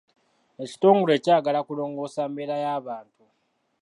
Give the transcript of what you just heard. Ekitongole kyagala kulongoosa mbeera ya bantu.